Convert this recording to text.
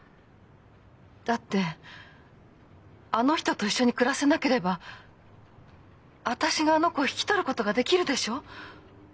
だってあの人と一緒に暮らせなければ私があの子を引き取ることができるでしょう？